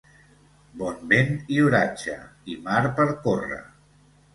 Bon vent i oratge, i mar per córrer.